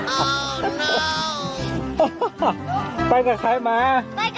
ไปกับเอิ้นปากปลูอีดา